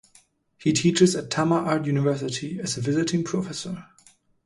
He teaches at Tama Art University as a Visiting Professor.